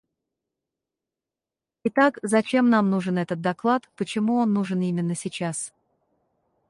Итак, зачем нам нужен этот доклад, почему он нужен именно сейчас?